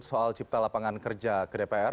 soal cipta lapangan kerja ke dpr